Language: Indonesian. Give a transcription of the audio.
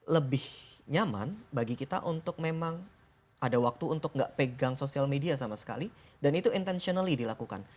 lebih nyaman bagi kita untuk memang ada waktu untuk nggak pegang sosial media sama sekali dan itu intentionally dilakukan